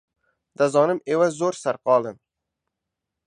دەزانم ئێوە زۆر سەرقاڵن.